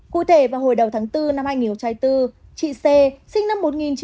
cụ thể vào hồi đầu tháng bốn năm hai nghìn một mươi bốn chị c sinh năm một nghìn chín trăm tám mươi ở hà nội